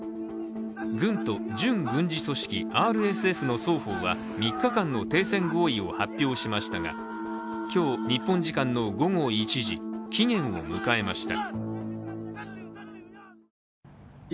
軍と準軍事組織ＲＳＦの双方は３日間の停戦合意を発表しましたが、今日日本時間の午後１時、期限を迎えました。